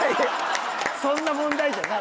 そんな問題じゃない。